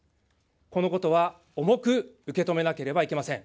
このことは重く受け止めなければいけません。